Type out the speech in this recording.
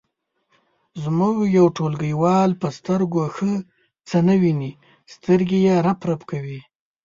زموږ یو ټولګیوال په سترګو ښه څه نه ویني سترګې یې رپ رپ کوي.